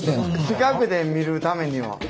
近くで見るためには。